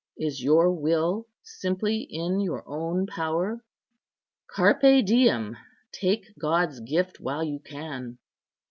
Is your will simply in your own power? 'Carpe diem;' take God's gift while you can."